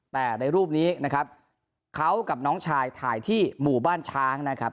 แต่ในรูปนี้นะครับเขากับน้องชายถ่ายที่หมู่บ้านช้างนะครับ